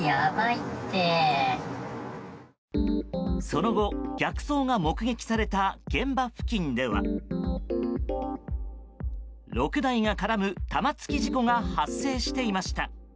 その後、逆走が目撃された現場付近では６台が絡む玉突き事故が発生していました。